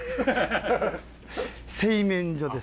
製麺所です。